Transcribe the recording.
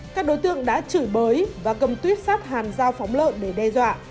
các đối tượng đã chửi bới và cầm tuyếp sắt hàn rào phóng lợn để đe dọa